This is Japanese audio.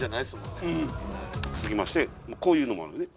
続きましてこういうのもあるのね。